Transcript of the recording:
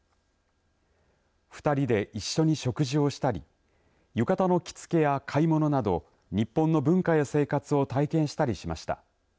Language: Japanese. ２人で一緒に食事をしたり浴衣の着付けや買い物など日本の文化や生活を体験したりしました。